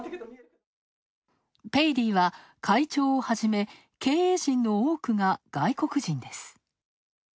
ペイディは会長をはじめ経営陣の多くが外国人です。